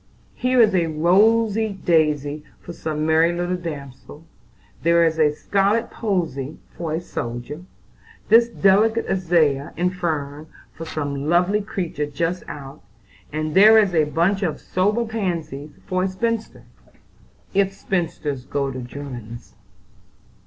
Here is a rosy daisy for some merry little damsel; there is a scarlet posy for a soldier; this delicate azalea and fern for some lovely creature just out; and there is a bunch of sober pansies for a spinster, if spinsters go to 'Germans.